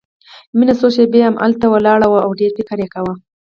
مينه څو شېبې همهغلته ولاړه وه او ډېر فکر يې کاوه.